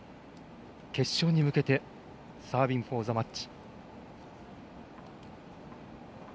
決勝に向けてサービングフォーザマッチ。